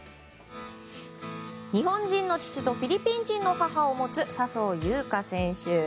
日本人の父とフィリピン人の母を持つ笹生優花選手。